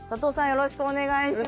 よろしくお願いします。